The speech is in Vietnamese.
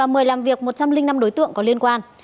mời làm việc một trăm linh năm đối tượng có liên quan